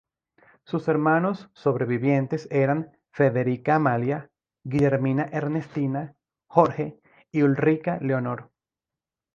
Sus hermanos sobrevivientes eran Federica Amalia, Guillermina Ernestina, Jorge y Ulrica Leonor.